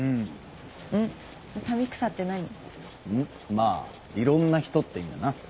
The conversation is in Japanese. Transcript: まあいろんな人って意味だな。